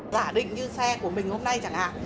giả định như xe của mình hôm nay chẳng hạn